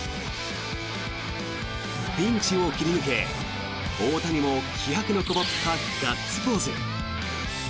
ピンチを切り抜け、大谷も気迫のこもったガッツポーズ。